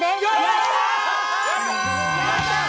やったー！